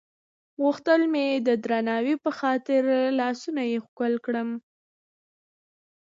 غوښتل مې د درناوي په خاطر لاسونه یې ښکل کړم.